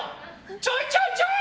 ちょいちょいちょい！